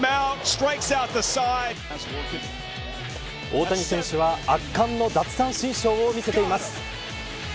大谷選手は圧巻の奪三振ショーを見せています。